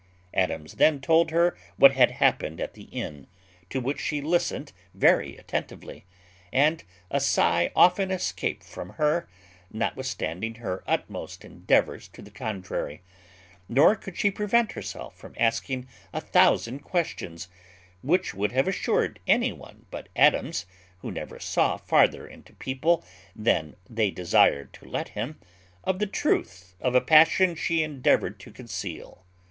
Adams then told her what had happened at the inn, to which she listened very attentively; and a sigh often escaped from her, notwithstanding her utmost endeavours to the contrary; nor could she prevent herself from asking a thousand questions, which would have assured any one but Adams, who never saw farther into people than they desired to let him, of the truth of a passion she endeavoured to conceal.